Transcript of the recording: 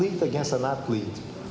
lebih banyak atlet dan atlet